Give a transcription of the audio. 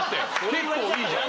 結構いいじゃん。